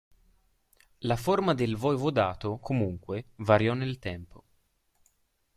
La forma del voivodato, comunque, variò nel tempo.